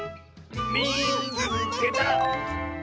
「みいつけた！」。